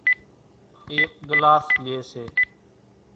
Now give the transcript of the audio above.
ايڪ ڳلاس لئي سي